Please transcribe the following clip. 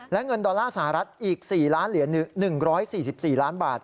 และเงินดอลลาร์สหรัฐอีก๔เหรียญ๑๔๔ล้านบาท